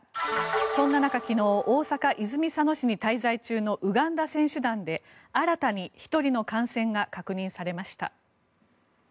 そんな中、昨日大阪・泉佐野市に滞在中のウガンダ選手団で新たに１人の感染が確認されました。